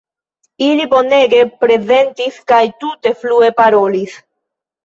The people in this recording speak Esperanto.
Ili bonege prezentis kaj tute flue parolis.